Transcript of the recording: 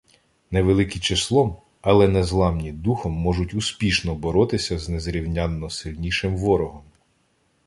Невеликі числом, але незламні духом можуть успішно боротися з незрівнянно сильнішим ворогом.